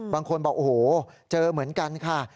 บางคนบอกโอ้โหเจอเหมือนกันค่ะ